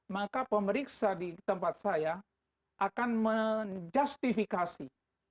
maka pemeriksa di tempat saya akan menjustifikasi